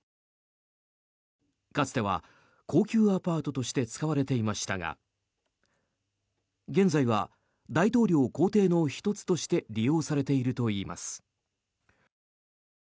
かつては高級アパートとして使われていましたが現在は大統領公邸の１つとして利用されているといいます。